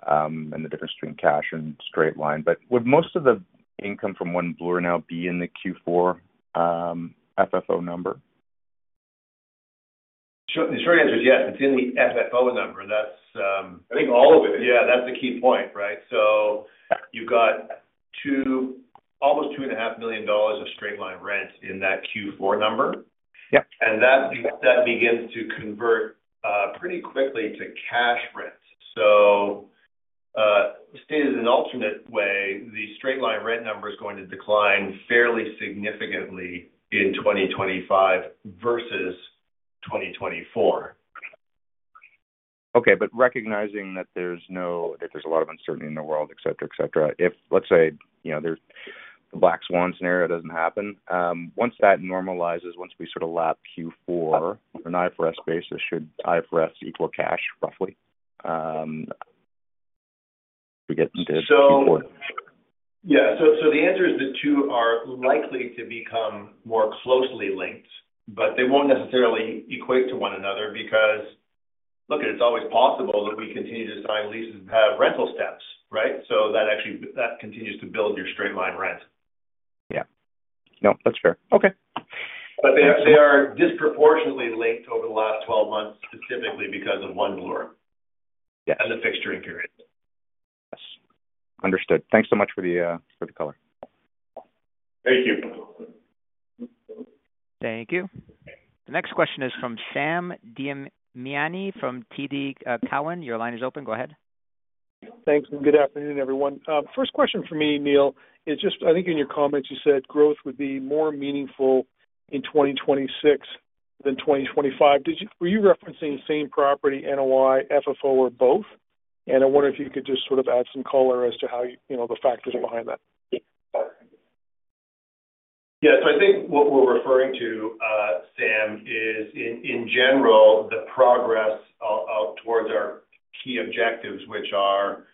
and the difference between cash and straight-line but would most of the income from One Bloor now be in the Q4 FFO number? Short answer is yes. It's in the FFO number. I think all of it. Yeah, that's the key point, right? So you've got almost 2.5 million dollars of straight-line rent in that Q4 number and that begins to convert pretty quickly to cash rent. So stated in an alternate way, the straight-line rent number is going to decline fairly significantly in 2025 versus 2024. Okay. But recognizing that there's a lot of uncertainty in the world, etc., if let's say the Black Swan scenario doesn't happen, once that normalizes, once we sort of lap Q4 on IFRS basis, should IFRS equal cash roughly? Yeah. So the answer is the two are likely to become more closely linked, but they won't necessarily equate to one another because, look, it's always possible that we continue to sign leases and have rental steps, right? So that actually continues to build your straight line rent. Yeah. No, that's fair. Okay. But they are disproportionately linked over the last 12 months specifically because of One Bloor and the fixturing period. Yes. Understood. Thanks so much for the color. Thank you. Thank you. The next question is from Sam Damiani from TD Cowen. Your line is open. Go ahead. Thanks. Good afternoon, everyone. First question for me, Neil, is just I think in your comments you said growth would be more meaningful in 2026 than 2025. Were you referencing the same-property NOI, FFO, or both? And I wonder if you could just sort of add some color as to how the factors behind that. Yeah. So I think what we're referring to, Sam, is, in general, the progress towards our key objectives, which are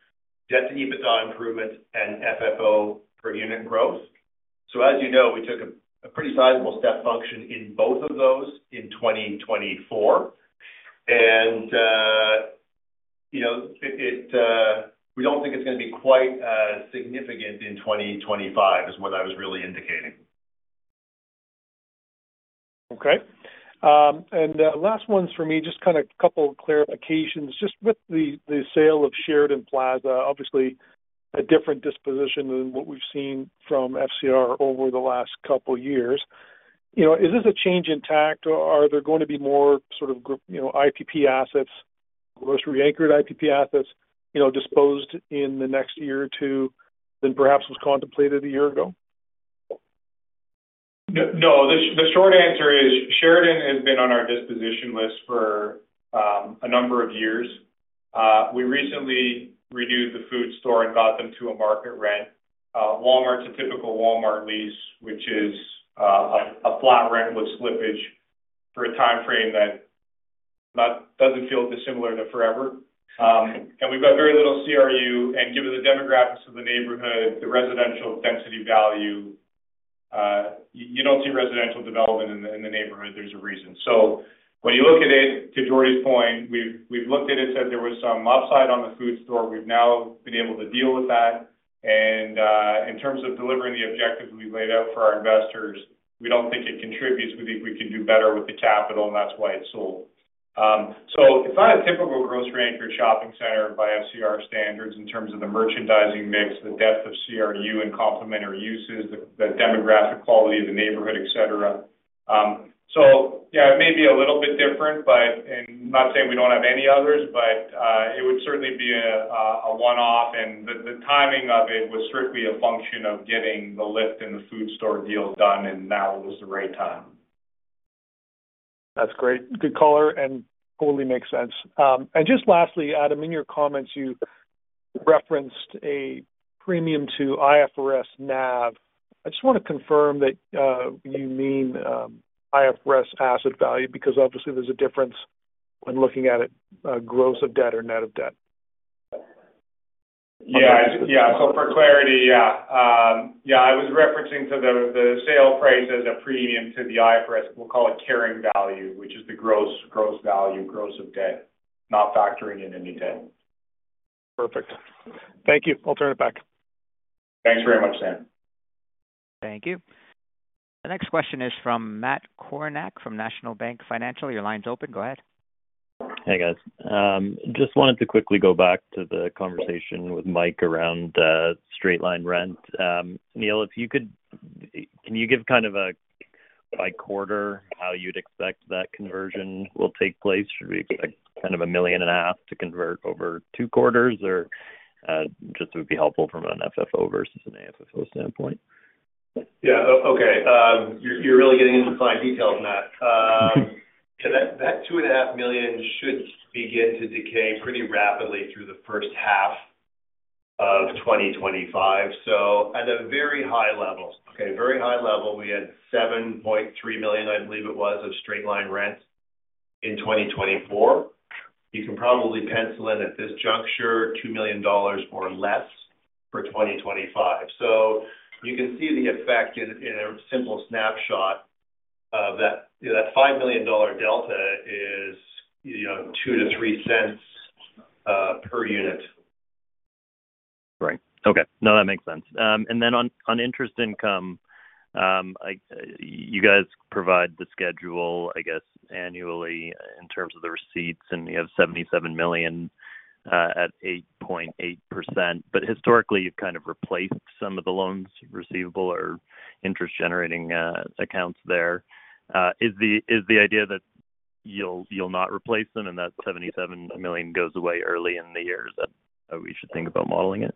debt to EBITDA improvements and FFO per unit growth. So, as you know, we took a pretty sizable step function in both of those in 2024. And we don't think it's going to be quite as significant in 2025 as what I was really indicating. Okay. Last ones for me, just kind of a couple of clarifications. Just with the sale of Sheridan Plaza, obviously a different disposition than what we've seen from FCR over the last couple of years. Is this a change in tactic, or are there going to be more sort of IPP assets, grocery-anchored IPP assets disposed in the next year or two than perhaps was contemplated a year ago? No. The short answer is Sheridan has been on our disposition list for a number of years. We recently renewed the food store and brought them to a market rent. Walmart's a typical Walmart lease, which is a flat rent with slippage for a timeframe that doesn't feel dissimilar to forever. We've got very little CRU and given the demographics of the neighborhood, the residential density value, you don't see residential development in the neighborhood. There's a reason. When you look at it, to Jordie's point, we've looked at it, said there was some upside on the food store. We've now been able to deal with that. In terms of delivering the objectives we've laid out for our investors, we don't think it contributes. We think we can do better with the capital, and that's why it's sold. It's not a typical grocery-anchored shopping center by FCR standards in terms of the merchandising mix, the depth of CRU and complementary uses, the demographic quality of the neighborhood, etc. Yeah, it may be a little bit different, and I'm not saying we don't have any others, but it would certainly be a one-off. The timing of it was strictly a function of getting the lift in the food store deal done, and now it was the right time. That's great. Good color and totally makes sense. Just lastly, Adam, in your comments, you referenced a premium to IFRS NAV. I just want to confirm that you mean IFRS asset value because, obviously, there's a difference when looking at it, gross of debt or net of debt. Yeah. So for clarity, yeah. Yeah. I was referencing to the sale price as a premium to the IFRS. We'll call it carrying value, which is the gross value, gross of debt, not factoring in any debt. Perfect. Thank you. I'll turn it back. Thanks very much, Sam. Thank you. The next question is from Matt Kornack from National Bank Financial. Your line's open. Go ahead. Hey, guys. Just wanted to quickly go back to the conversation with Mike around straight line rent. Neil, if you could, can you give kind of a by quarter how you'd expect that conversion will take place? Should we expect kind of 1.5 million to convert over two quarters, or just would be helpful from an FFO versus an AFFO standpoint? Yeah. Okay. You're really getting into fine details, Matt. That 2.5 million should begin to decay pretty rapidly through the first half of 2025. So at a very high level, okay, very high level, we had 7.3 million, I believe it was, of straight line rent in 2024. You can probably pencil in at this juncture 2 million dollars or less for 2025. So you can see the effect in a simple snapshot of that 5 million dollar delta is 0.02 to 0.03 per unit. Right. Okay. No, that makes sense. And then on interest income, you guys provide the schedule, I guess, annually in terms of the receipts, and you have 77 million at 8.8%. But historically, you've kind of replaced some of the loans receivable or interest-generating accounts there. Is the idea that you'll not replace them and that 77 million goes away early in the year that we should think about modeling it?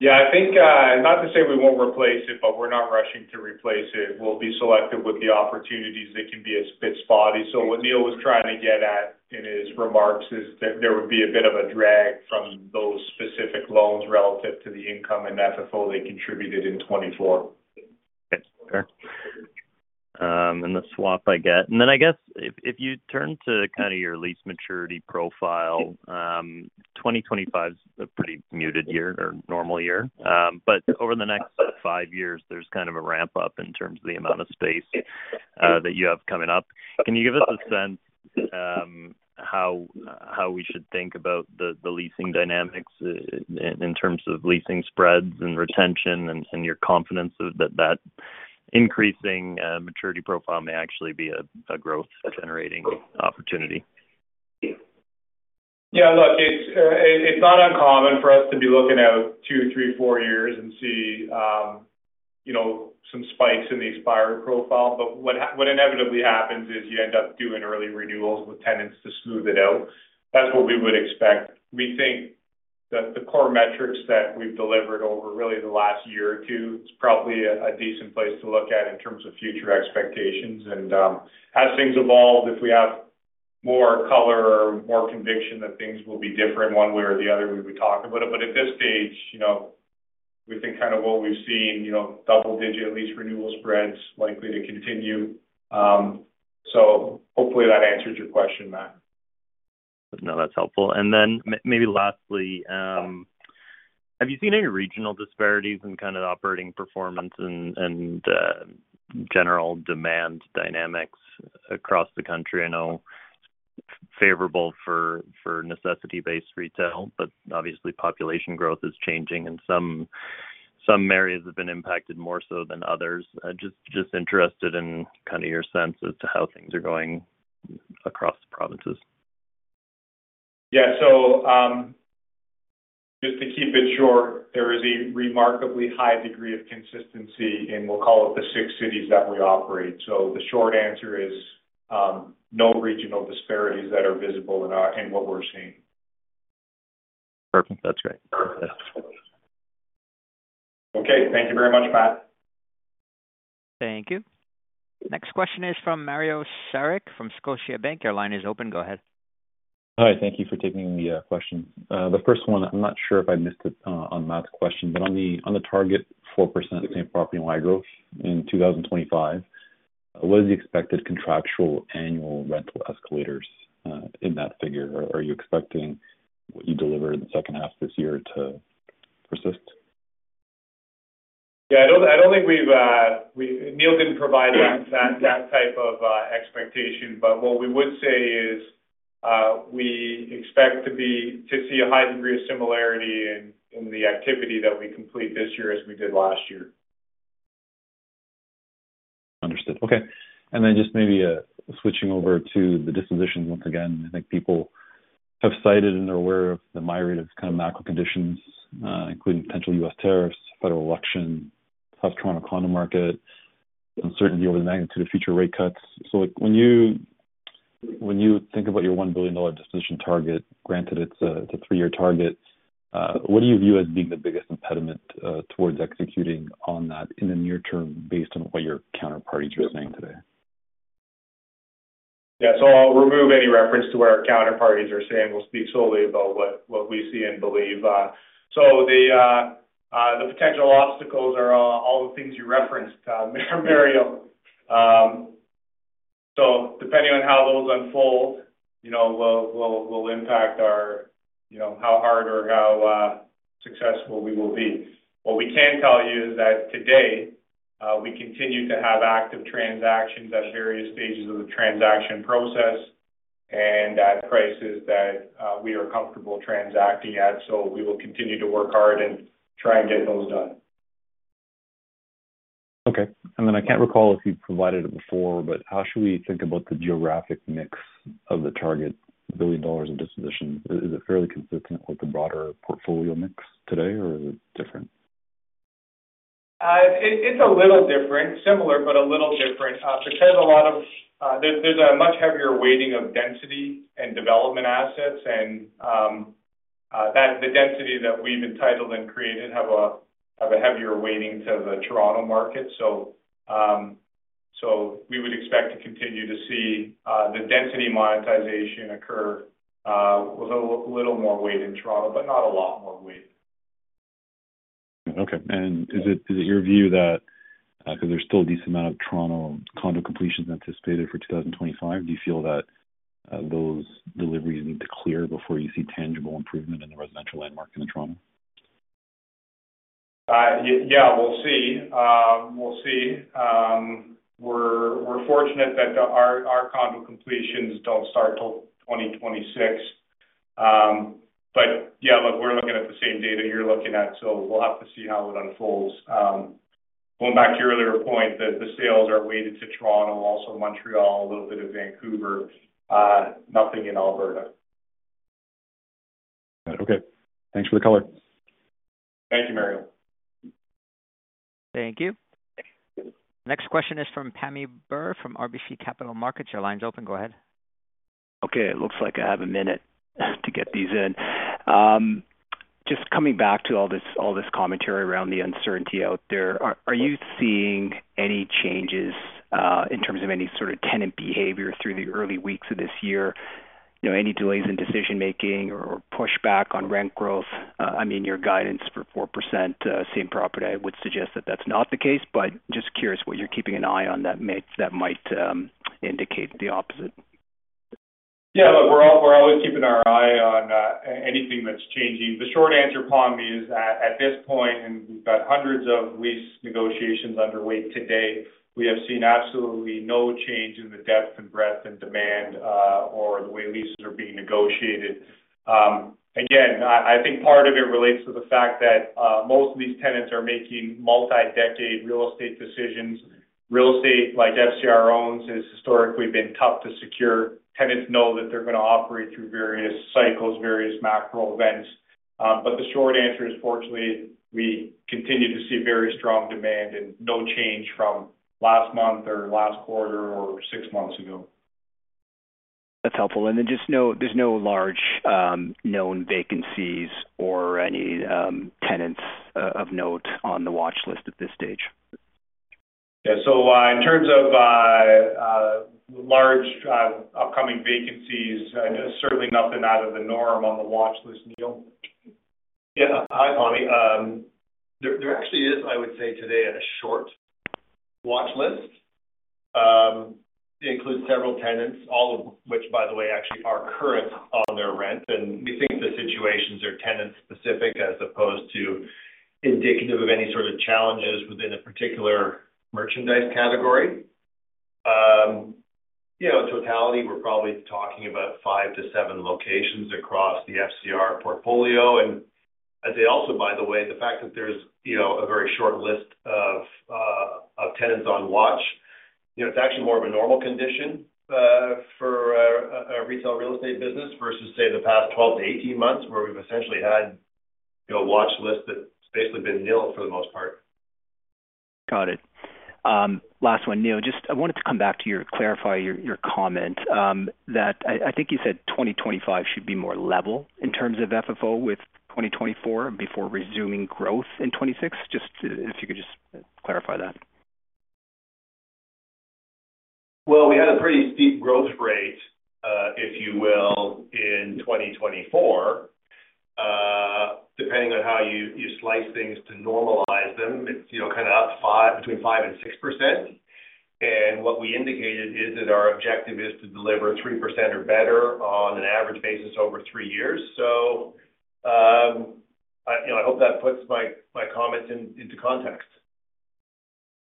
Yeah. I think not to say we won't replace it, but we're not rushing to replace it. We'll be selective with the opportunities. It can be a bit spotty. So what Neil was trying to get at in his remarks is that there would be a bit of a drag from those specific loans relative to the income and FFO they contributed in 2024. Okay. And the swap, I get. And then I guess if you turn to kind of your lease maturity profile, 2025 is a pretty muted year or normal year. But over the next five years, there's kind of a ramp-up in terms of the amount of space that you have coming up. Can you give us a sense of how we should think about the leasing dynamics in terms of leasing spreads and retention and your confidence that that increasing maturity profile may actually be a growth-generating opportunity? Yeah. Look, it's not uncommon for us to be looking at two, three, four years and see some spikes in the expiry profile. But what inevitably happens is you end up doing early renewals with tenants to smooth it out. That's what we would expect. We think that the core metrics that we've delivered over really the last year or two is probably a decent place to look at in terms of future expectations. As things evolve, if we have more color or more conviction that things will be different one way or the other, we would talk about it. At this stage, we think kind of what we've seen, double-digit lease renewal spreads likely to continue. Hopefully that answers your question, Matt. No, that's helpful. Maybe lastly, have you seen any regional disparities in kind of operating performance and general demand dynamics across the country? I know favorable for necessity-based retail, but obviously population growth is changing, and some areas have been impacted more so than others. Just interested in kind of your sense as to how things are going across the provinces. Yeah. Just to keep it short, there is a remarkably high degree of consistency in, we'll call it, the six cities that we operate. So the short answer is no regional disparities that are visible in what we're seeing. Perfect. That's great. Okay. Thank you very much, Matt. Thank you. Next question is from Mario Saric from Scotiabank. Your line is open. Go ahead. Hi. Thank you for taking the question. The first one, I'm not sure if I missed it on Matt's question, but on the target 4% same property NOI growth in 2025, what is the expected contractual annual rental escalators in that figure? Are you expecting what you delivered in the second half of this year to persist? Yeah. I don't think we've. Neil didn't provide that type of expectation, but what we would say is we expect to see a high degree of similarity in the activity that we complete this year as we did last year. Understood. Okay. Then just maybe switching over to the dispositions once again. I think people have cited and are aware of the myriad of kind of macro conditions, including potential U.S. tariffs, federal election, tough Toronto condo market, uncertainty over the magnitude of future rate cuts. So when you think about your 1 billion dollar disposition target, granted it's a three-year target, what do you view as being the biggest impediment towards executing on that in the near term based on what your counterparties are saying today? Yeah. So I'll remove any reference to what our counterparties are saying. We'll speak solely about what we see and believe. So the potential obstacles are all the things you referenced, Mario. So depending on how those unfold, will impact how hard or how successful we will be. What we can tell you is that today, we continue to have active transactions at various stages of the transaction process and at prices that we are comfortable transacting at, so we will continue to work hard and try and get those done. Okay, and then I can't recall if you provided it before, but how should we think about the geographic mix of the target 1 billion dollars of dispositions? Is it fairly consistent with the broader portfolio mix today, or is it different? It's a little different. Similar, but a little different because a lot of, there's a much heavier weighting of density and development assets. The density that we've entitled and created have a heavier weighting to the Toronto market, so we would expect to continue to see the density monetization occur with a little more weight in Toronto, but not a lot more weight. Okay. Is it your view that because there's still a decent amount of Toronto condo completions anticipated for 2025, do you feel that those deliveries need to clear before you see tangible improvement in the residential rental market in Toronto? Yeah. We'll see. We're fortunate that our condo completions don't start till 2026. But yeah, look, we're looking at the same data you're looking at. So we'll have to see how it unfolds. Going back to your earlier point, the sales are weighted to Toronto, also Montreal, a little bit of Vancouver, nothing in Alberta. Okay. Thanks for the color. Thank you, Mario. Thank you. Next question is from Pammi Bir from RBC Capital Markets. Your line's open. Go ahead. Okay. It looks like I have a minute to get these in. Just coming back to all this commentary around the uncertainty out there, are you seeing any changes in terms of any sort of tenant behavior through the early weeks of this year? Any delays in decision-making or pushback on rent growth? I mean, your guidance for 4% same property, I would suggest that that's not the case, but just curious what you're keeping an eye on that might indicate the opposite. Yeah. Look, we're always keeping our eye on anything that's changing. The short answer Pammi is that at this point, and we've got hundreds of lease negotiations underway today, we have seen absolutely no change in the depth and breadth and demand or the way leases are being negotiated. Again, I think part of it relates to the fact that most of these tenants are making multi-decade real estate decisions. Real estate like FCR owns has historically been tough to secure. Tenants know that they're going to operate through various cycles, various macro events, but the short answer is, fortunately, we continue to see very strong demand and no change from last month or last quarter or six months ago. That's helpful, and then just know there's no large known vacancies or any tenants of note on the watch list at this stage. Yeah. In terms of large upcoming vacancies, certainly nothing out of the norm on the watch list, Neil. Yeah. Hi, Seton Gateway. There actually is, I would say, today a short watch list. It includes several tenants, all of which, by the way, actually are current on their rent. And we think the situations are tenant-specific as opposed to indicative of any sort of challenges within a particular merchandise category. In totality, we're probably talking about five to seven locations across the FCR portfolio. And I say also, by the way, the fact that there's a very short list of tenants on watch, it's actually more of a normal condition for a retail real estate business versus, say, the past 12 to 18 months where we've essentially had a watch list that's basically been nil for the most part. Got it. Last one, Neil. Just, I wanted to come back to clarify your comment that I think you said 2025 should be more level in terms of FFO with 2024 before resuming growth in 2026. Just if you could just clarify that. Well, we had a pretty steep growth rate, if you will, in 2024. Depending on how you slice things to normalize them, it's kind of up between 5% and 6%. What we indicated is that our objective is to deliver 3% or better on an average basis over three years. So I hope that puts my comments into context.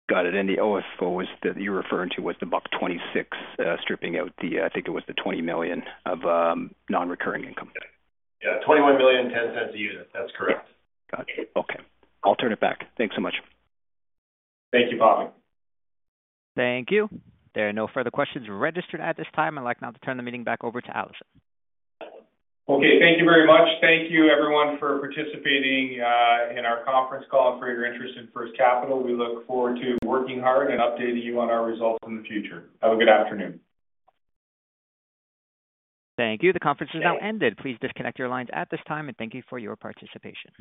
Got it. The FFO you're referring to was the 1.26 stripping out the I think it was the 20 million of non-recurring income. Yeah. 21 million and CAD 0.10 a unit. That's correct. Got it. Okay. I'll turn it back. Thanks so much. Thank you, Pammi. Thank you. There are no further questions registered at this time. I'd like now to turn the meeting back over to Alison. Okay. Thank you very much. Thank you, everyone, for participating in our conference call and for your interest in First Capital. We look forward to working hard and updating you on our results in the future. Have a good afternoon. Thank you. The conference is now ended. Please disconnect your lines at this time, and thank you for your participation.